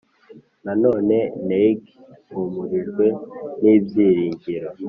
Nanone Nieng yahumurijwe n ibyiringiro